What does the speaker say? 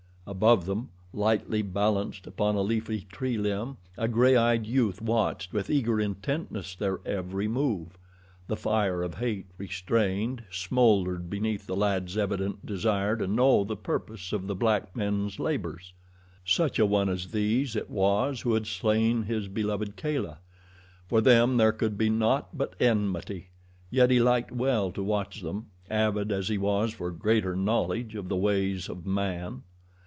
Above them, lightly balanced upon a leafy tree limb, a gray eyed youth watched with eager intentness their every move. The fire of hate, restrained, smoldered beneath the lad's evident desire to know the purpose of the black men's labors. Such a one as these it was who had slain his beloved Kala. For them there could be naught but enmity, yet he liked well to watch them, avid as he was for greater knowledge of the ways of man.